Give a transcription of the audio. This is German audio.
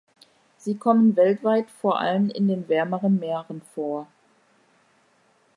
Sie kommen weltweit vor allem in den wärmeren Meeren vor.